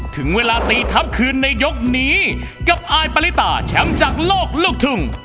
ถึงเวลาตีทัพคืนในยกนี้กับอายปริตาแชมป์จากโลกลูกทุ่ง